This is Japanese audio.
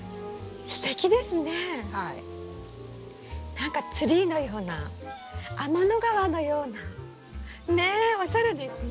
何かツリーのような天の川のような。ねえおしゃれですね。